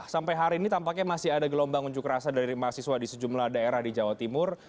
sampai hari ini tampaknya masih ada gelombang unjuk rasa dari mahasiswa di sejumlah daerah di jawa timur